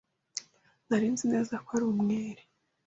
Nari nzi neza ko ari umwere.